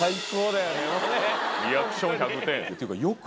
リアクション１００点。